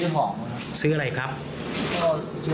เพราะอะไร